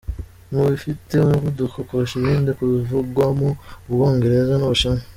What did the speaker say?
Mu bifite umuvuduko kurusha ibindi havugwamo Ubwongereza n’Ubushinwa.